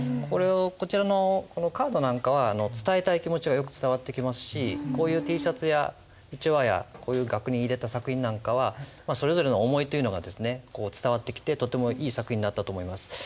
こちらのカードなんかは伝えたい気持ちがよく伝わってきますしこういうＴシャツやうちわや額に入れた作品なんかはそれぞれの思いというのがですね伝わってきてとってもいい作品になったと思います。